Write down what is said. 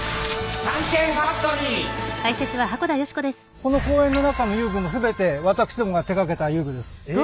この公園の中の遊具も全て私どもが手がけた遊具です。